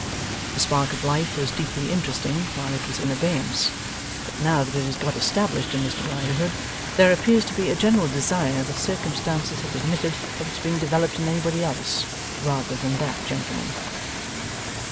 The spark of life was deeply interesting while it was in abeyance, but now that it has got established in Mr Riderhood, there appears to be a general desire that circumstances had admitted of its being developed in anybody else, rather than that gentleman.